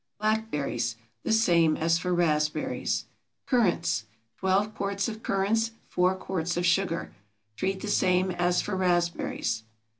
BLACKBERRIES. The same as for raspberries. CURRANTS. 12 quarts of currants. 4 quarts of sugar. Treat the same as for raspberries.